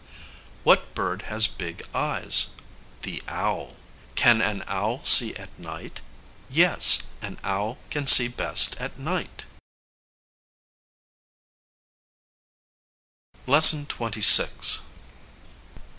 What bird has big eyes? The owl. Can an owl see at night? Yes, an owl can see best at night.